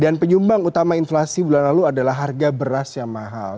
dan penyumbang utama inflasi bulan lalu adalah harga beras yang menurun